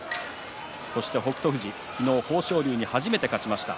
そして、北勝富士昨日、豊昇龍に初めて勝ちました。